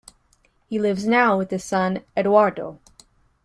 He lives now with his son Edoardo.